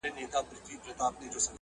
خو اوږده لکۍ يې غوڅه سوه لنډی سو٫